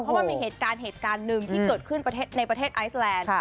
เพราะมันมีเหตุการณ์หนึ่งที่เกิดขึ้นในประเทศไอซ์แลนด์